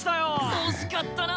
惜しかったな。